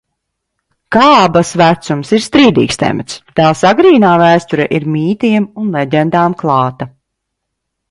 Kaabas vecums ir strīdīgs temats, tās agrīnā vēsture ir mītiem un leģendām klāta.